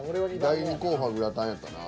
第２候補はグラタンやったな。